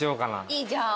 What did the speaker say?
いいじゃん。